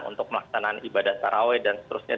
untuk melaksanakan ibadah taraweh dan seterusnya